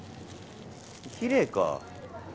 きれいか。